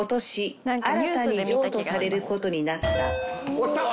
押した。